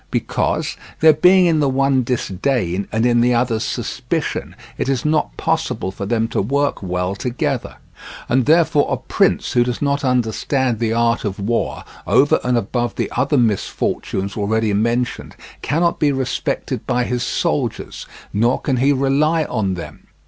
Because, there being in the one disdain and in the other suspicion, it is not possible for them to work well together. And therefore a prince who does not understand the art of war, over and above the other misfortunes already mentioned, cannot be respected by his soldiers, nor can he rely on them.